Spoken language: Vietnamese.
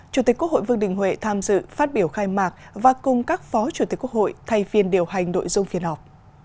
chủ tịch quốc hội vương đình huệ tham dự phát biểu khai mạc và cùng các phó chủ tịch quốc hội thay phiên điều hành nội dung phiên họp